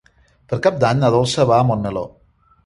Per Cap d'Any na Dolça va a Montmeló.